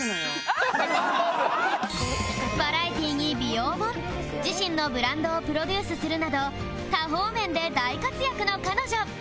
バラエティーに美容本自身のブランドをプロデュースするなど多方面で大活躍の彼女